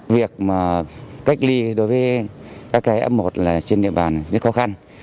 việc cách ly đối với các f một trên địa bàn rất khó khăn